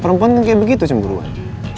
perempuan tuh kayak begitu cemburuan